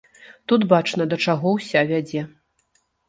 Тут бачна, да чаго ўся вядзе.